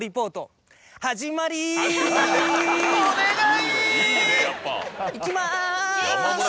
お願い。